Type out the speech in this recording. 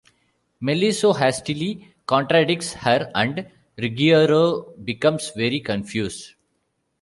Melisso hastily contradicts her and Ruggiero becomes very confused.